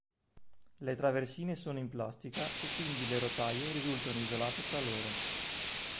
Le traversine sono in plastica e quindi le rotaie risultano isolate tra loro.